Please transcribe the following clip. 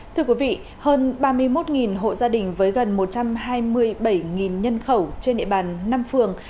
thưa quý vị hơn ba mươi một hộ gia đình với gần một trăm hai mươi bảy nhân khẩu trên địa bàn năm phường